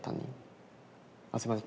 あすいません。